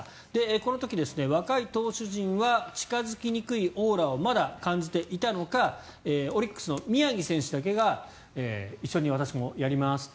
この時、若い投手陣は近付きにくいオーラをまだ感じていたのかオリックスの宮城選手だけが一緒に私もやりますと。